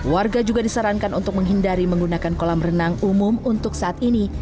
warga juga disarankan untuk menghindari menggunakan kolam renang umum untuk saat ini